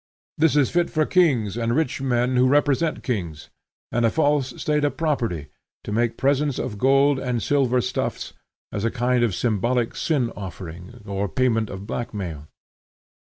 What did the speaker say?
This is fit for kings, and rich men who represent kings, and a false state of property, to make presents of gold and silver stuffs, as a kind of symbolical sin offering, or payment of black mail.